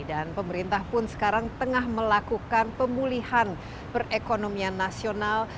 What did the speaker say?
dan pemerintah pun sekarang tengah melakukan pemulihan perekonomian nasional